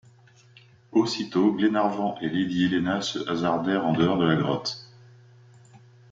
Aussitôt Glenarvan et lady Helena se hasardèrent en dehors de la grotte.